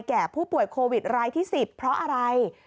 แก่ผู้ป่วยโควิดรายที่๑๐เพราะอะไร